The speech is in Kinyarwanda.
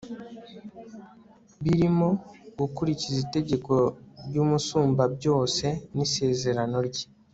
birimo: gukurikiza itegeko ry'umusumbabyose n'isezerano rye